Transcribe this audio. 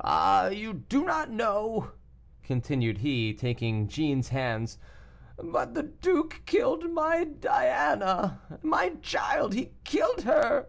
Ah, you do not know," continued he, taking Jeanne's hands; "but the duke killed my Diana, my child he killed her!"